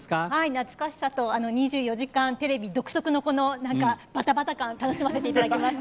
懐かしさと、２４時間テレビ独特のこの、なんかばたばた感、楽しませていただきました。